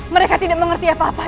mereka tidak mengerti apa apa